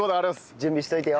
準備しといてよ。